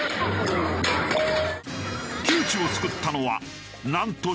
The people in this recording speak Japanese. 窮地を救ったのはなんとシャベル。